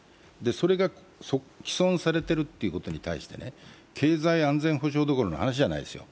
それが毀損されているということに対して、経済安全保障どころの話じゃないですよ。